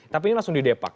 tapi ini langsung didepak